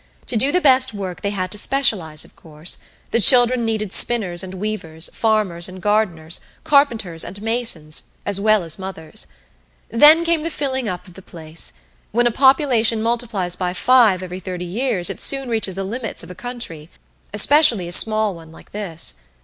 To do the best work they had to specialize, of course; the children needed spinners and weavers, farmers and gardeners, carpenters and masons, as well as mothers. Then came the filling up of the place. When a population multiplies by five every thirty years it soon reaches the limits of a country, especially a small one like this.